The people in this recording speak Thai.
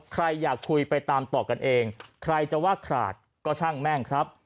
ใครอยากคุยไปตามต่อกันเองใครจะว่าขาดก็ช่างแม่งครับ